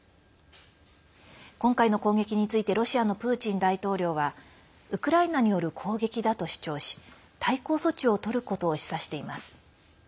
今回の攻撃についてロシアのプーチン大統領はウクライナによる攻撃だと主張し対抗措置をとることを示唆しています。